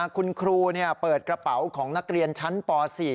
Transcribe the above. คุณครูเปิดกระเป๋าของนักเรียนชั้นป๔